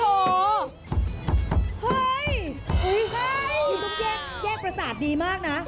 ทุกคนแยกประสาทดีมากนะ